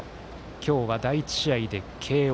今日は第１試合で慶応。